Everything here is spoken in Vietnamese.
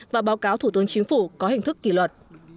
và báo cáo thủ tướng chính phủ có hình thức kỷ luật